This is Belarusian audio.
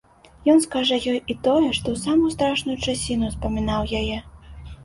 Ён скажа ёй і тое, што ў самую страшную часіну ўспамінаў яе.